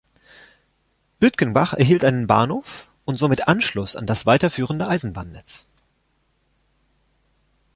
Bütgenbach erhielt einen Bahnhof und somit Anschluss an das weiterführende Eisenbahnnetz.